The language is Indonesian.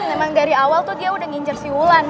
emang dari awal tuh dia udah ngincer si wulan